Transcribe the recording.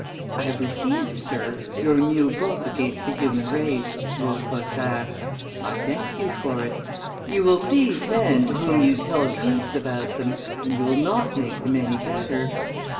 "I have received, sir, your new book against the human race," wrote Voltaire; "I thank you for it. You will please men to whom you tell truths about them, and you will not make them any better.